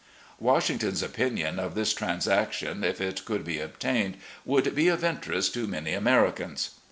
Washington's opinion of this transaction, if it could be obtained, would be of interest to many Americans